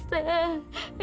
iis sudah berbuat dosa